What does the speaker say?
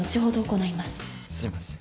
すいません。